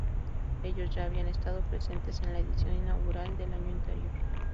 Ellos ya habían estado presentes en la edición inaugural del año anterior.